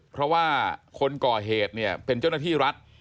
เพราะว่าคนก่อเหตุเนี่ยเป็นเจ้าหน้าที่รัฐ